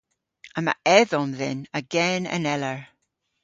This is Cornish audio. Yma edhom dhyn a gen aneller.